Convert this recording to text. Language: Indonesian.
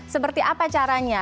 seperti apa caranya